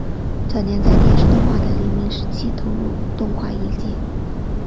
早年在电视动画的黎明时期投入动画业界。